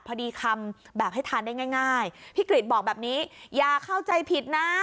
พอดีคำแบบให้ทานได้ง่ายพี่กริจบอกแบบนี้อย่าเข้าใจผิดนะ